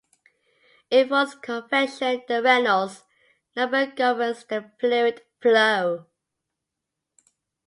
In forced convection the Reynolds number governs the fluid flow.